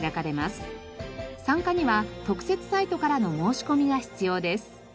参加には特設サイトからの申し込みが必要です。